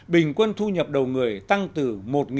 bình quân thu nhập đầu người tăng từ một hai mươi bốn usd một năm